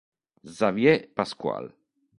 Xavier Pascual